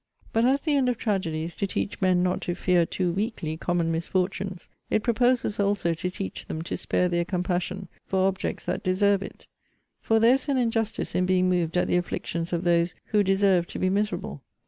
'But as the end of tragedy is to teach men not to fear too weakly common misfortunes, it proposes also to teach them to spare their compassion for objects that deserve it. For there is an injustice in being moved at the afflictions of those who deserve to be miserable.